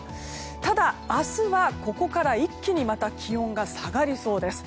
ただ、明日はここから一気にまた気温が下がりそうです。